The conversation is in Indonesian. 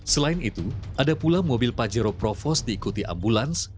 selain itu ada pula mobil pajero provos diikuti ambulans